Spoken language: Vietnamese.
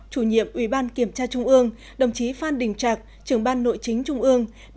chủ nhiệm ủy ban kiểm tra trung ương đồng chí phan đình trạc trưởng ban nội chính trung ương